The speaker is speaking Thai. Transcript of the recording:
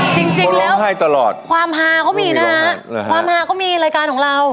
จริงแล้วให้ตลอดความฮาเขามีนะฮะความฮาเขามีรายการของเรา